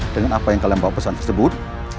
dengan apa yang kalian bawa pesan tersebut